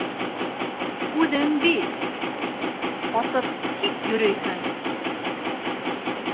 Үҙең бит... ҡасып тик йөрөйһөң.